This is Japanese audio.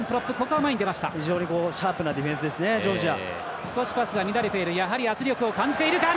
非常にシャープなディフェンスですね、ジョージア。